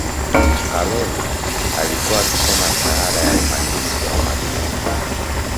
karol alikiuwa akisoma shahada ya uhandisi wa mandini